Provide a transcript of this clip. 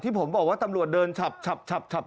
ที่ผมบอกว่าตำรวจเดินฉับต้องไป